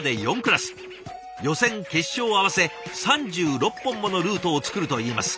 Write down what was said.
予選・決勝合わせ３６本ものルートを作るといいます。